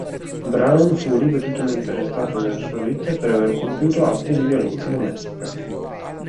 Brown fu ripetutamente arrestato nella sua vita per aver compiuto atti di violenza domestica.